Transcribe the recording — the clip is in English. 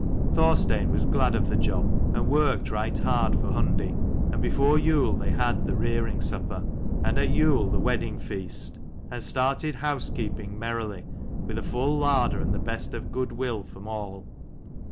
Thorstein was glad of the job, and worked right hard for Hundi : and before Yule they had the rearing supper, and at Yule the wedding feast ; and started housekeeping merrily, with a full larder and the best of good will from all.